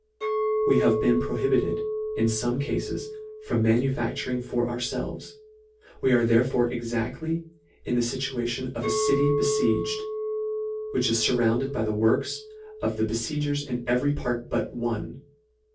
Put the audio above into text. We have been prohibited, in fome cafes, from manufacturing for ourfelves ; We are therefore exactly in the iituation of a city befieged, which is furrounded by the works of the befiegers in every part but one.